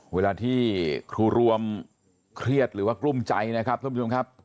เวลาที่ครูรวมเครียดหรือว่ากลุ้มใจนะครับท่านผู้ชมครับ